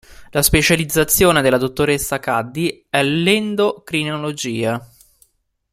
La specializzazione della dottoressa Cuddy è l'endocrinologia.